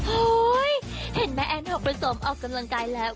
เห็นแม่แอนทองผสมออกกำลังกายแล้ว